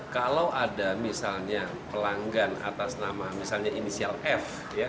kalau ada misalnya pelanggan atas nama misalnya inisial f